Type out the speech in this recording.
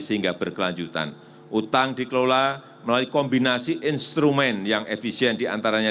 sehingga berkelanjutan utang dikelola melalui kombinasi instrumen yang efisien diantaranya